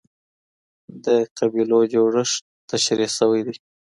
د قبيلو جوړښت تشريح سوی دی.